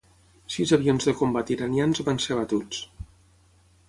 Sis avions de combat iranians van ser abatuts.